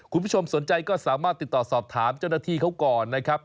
คุณผู้ชมสนใจก็สามารถติดต่อสอบถามเจ้าหน้าที่เขาก่อนนะครับ